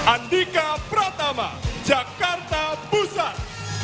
andika pratama jakarta pusat